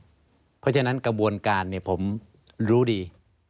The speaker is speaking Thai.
เพราะฉะนั้นกระบวนการผมรู้ดี